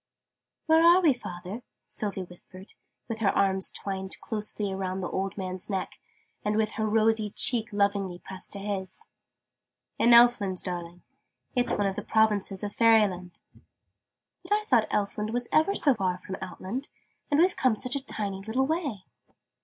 "Where are we, father?" Sylvie whispered, with her arms twined closely around the old man's neck, and with her rosy cheek lovingly pressed to his. "In Elfland, darling. It's one of the provinces of Fairyland." "But I thought Elfland was ever so far from Outland: and we've come such a tiny little way!"